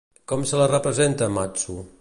Com se la representa a Matsu?